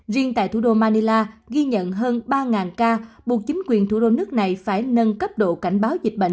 riêng tại thủ đô manila ghi nhận hơn ba ca buộc chính quyền thủ đô nước này phải nâng cấp độ cảnh báo dịch bệnh